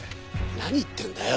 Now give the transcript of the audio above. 何言ってんだよ。